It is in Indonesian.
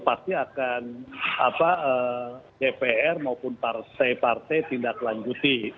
pasti akan dpr maupun tprt tidak lanjuti